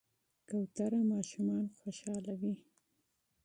کوتره ماشومان خوشحالوي.